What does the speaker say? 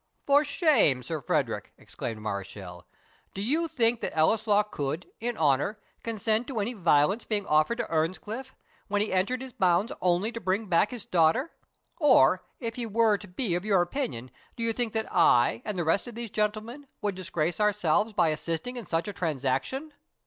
"For shame, Sir Frederick!" exclaimed Mareschal; "do you think that Ellieslaw could, in honour, consent to any violence being offered to Earnscliff; when he entered his bounds only to bring back his daughter? or, if he were to be of your opinion, do you think that I, and the rest of these gentlemen, would disgrace ourselves by assisting in such a transaction?